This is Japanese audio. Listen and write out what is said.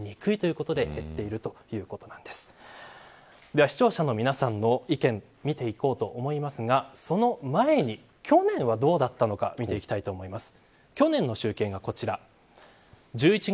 では、視聴者の皆さんの意見見ていこうと思いますがその前に去年はどうだったのか見ていきたいと思います。